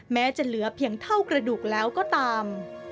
แม้จะเหลือเพียงเท่ากระดูกแล้วก็ตาม